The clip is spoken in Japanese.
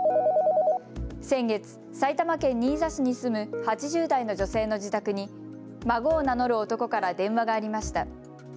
先月、埼玉県新座市に住む８０代の女性の自宅に孫を名乗る男から電話がありました。